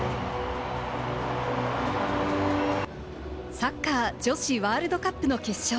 サッカー女子ワールドカップの決勝。